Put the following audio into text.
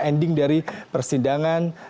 ending dari persidangan